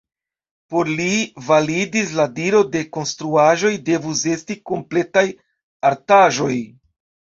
Por li validis la diro ke konstruaĵoj devus esti kompletaj artaĵoj.